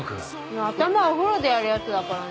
頭お風呂でやるやつだからね。